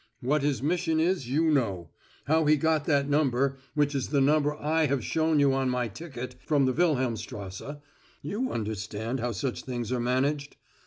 What his mission is you know; how he got that number, which is the number I have shown you on my ticket from the Wilhelmstrasse you understand how such things are managed.